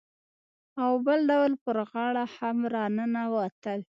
او بل ډول پر غاړه هم راننوتل.